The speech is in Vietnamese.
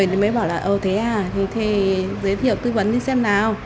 mọi người mới bảo là thế à thế giới thiệu tư vấn đi xem nào